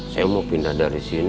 saya mau pindah dari sini